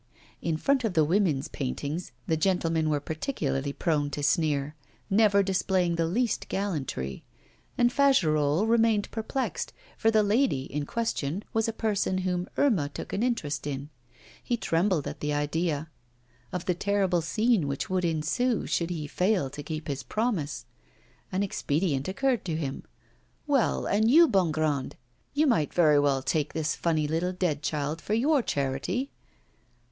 In front of the women's paintings the gentlemen were particularly prone to sneer, never displaying the least gallantry. And Fagerolles remained perplexed, for the 'lady' in question was a person whom Irma took an interest in. He trembled at the idea of the terrible scene which would ensue should he fail to keep his promise. An expedient occurred to him. 'Well, and you, Bongrand? You might very well take this funny little dead child for your charity.